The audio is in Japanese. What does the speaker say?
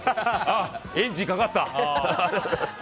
あ、エンジンかかった。